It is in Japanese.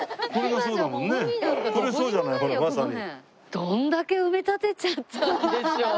どんだけ埋め立てちゃったんでしょう。